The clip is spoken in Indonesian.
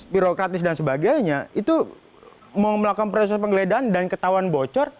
birokratis dan sebagainya itu mau melakukan proses penggeledahan dan ketahuan bocor